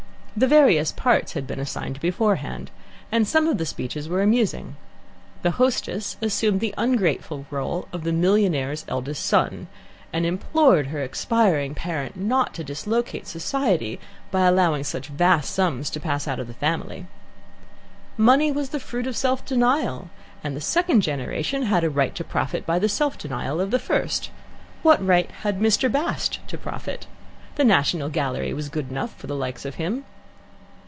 The various parts had been assigned beforehand, and some of the speeches were amusing. The hostess assumed the ungrateful role of "the millionaire's eldest son," and implored her expiring parent not to dislocate Society by allowing such vast sums to pass out of the family. Money was the fruit of self denial, and the second generation had a right to profit by the self denial of the first. What right had "Mr. Bast" to profit? The National Gallery was good enough for the likes of him.